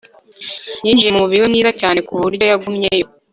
Yinjiye mu mubiri we mwiza cyane ku buryo yagumyeyo